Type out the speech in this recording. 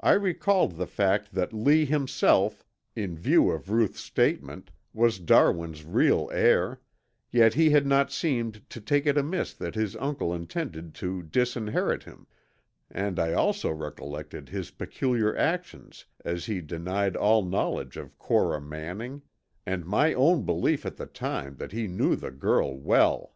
I recalled the fact that Lee himself, in view of Ruth's statement, was Darwin's real heir, yet he had not seemed to take it amiss that his uncle intended to disinherit him, and I also recollected his peculiar actions as he denied all knowledge of Cora Manning, and my own belief at the time that he knew the girl well.